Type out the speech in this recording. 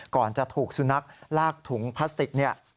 ก่อนจะถูกสุนัขลากถุงพลาสติกเนี่ย